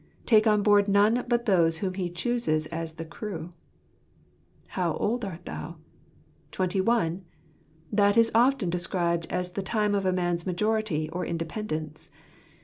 Take on board none but those whom He chooses as the crew. How old art thou ? Twenty one ? That is often de scribed as the time of a man's majority, or independence.